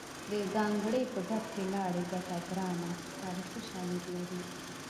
د ګانګړې په ډب کې لاړې بټه ګرامه تاریخي شالید لري